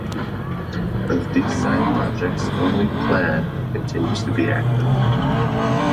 Of these side-projects, only Plaid continues to be active.